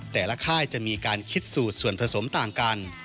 ค่ายจะมีการคิดสูตรส่วนผสมต่างกัน